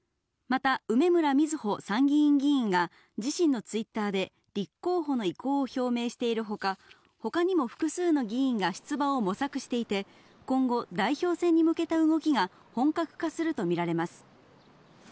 また梅村みずほ参議院議員が自身のツイッターで、立候補の意向を表明しているほか、ほかにも複数の議員が出馬を模索していて、今後、代表選に向けた動きが本格化すると見られます。